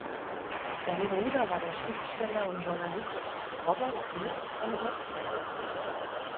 Sein Bruder war der Schriftsteller und Journalist Robert Glutz von Blotzheim.